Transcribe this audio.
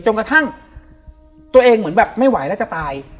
กระทั่งตัวเองเหมือนแบบไม่ไหวแล้วจะตาย